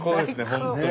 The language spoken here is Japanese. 本当に。